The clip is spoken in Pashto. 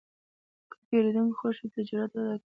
که پیرودونکی خوښ وي، تجارت وده کوي.